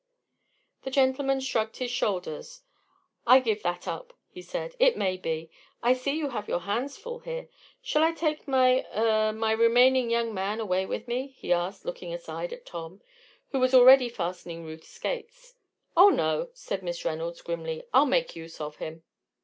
The gentleman shrugged his shoulders. "I give that up!" he said. "It may be. I see you have your hands full here. Shall I take my er my remaining young man away with me?" he asked, looking aside at Tom, who was already fastening Ruth's skates. "Oh, no," said Miss Reynolds, grimly. "I'll make use of him!"